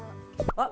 あっ！